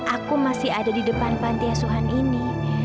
aku masih ada di depan panti asuhan ini